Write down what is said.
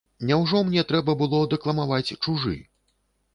Няўжо мне трэба было дэкламаваць чужы?